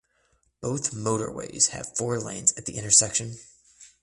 Both motorways have four lanes at the intersection.